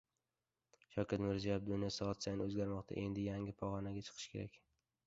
Shavkat Mirziyoev: "Dunyo soat sayin o‘zgarmoqda. Endi yangi pog‘onaga chiqish kerak"